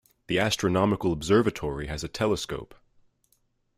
The astronomical observatory has a telescope.